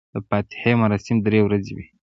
د فاتحې مراسم درې ورځې وي.